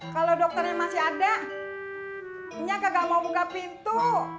kalau dokternya masih ada nyak kagak mau buka pintu